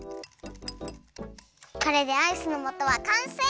これでアイスのもとはかんせい！